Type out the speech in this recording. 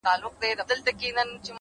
که سره وژنئ که نه _ ماته چي زکات راوړئ _